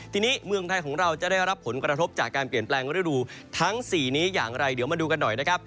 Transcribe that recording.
ทีนี้เมืองไทยของเราจะได้รับผลกระทบจากการเปลี่ยนแปลงฤดูทั้ง๔นี้อย่างไรเดี๋ยวมาดูกันหน่อยนะครับ